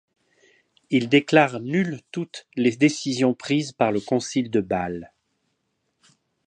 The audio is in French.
Il déclare nulles toutes les décisions prises par le Concile de Bâle.